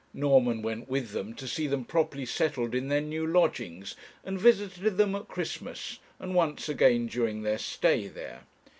Norman went with them to see them properly settled in their new lodgings, and visited them at Christmas, and once again during their stay there.